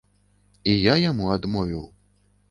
Я і яму адмовіў.